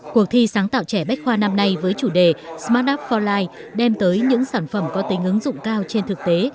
cuộc thi sáng tạo trẻ bách khoa năm nay với chủ đề smart up fo life đem tới những sản phẩm có tính ứng dụng cao trên thực tế